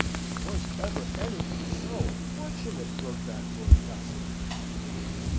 "Was ever anything so unfortunate?" wrote back Lord Castlewood, in reply.